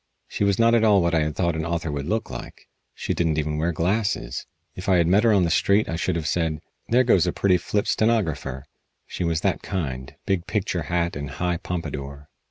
She was not at all what I had thought an author would look like. She didn't even wear glasses. If I had met her on the street I should have said: "There goes a pretty flip stenographer." She was that kind big picture hat and high pompadour.